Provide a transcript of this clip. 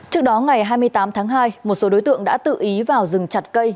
trước đó ngày hai mươi tám tháng hai một số đối tượng đã tự ý vào rừng chặt cây